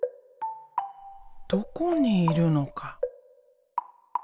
どこにいるのか。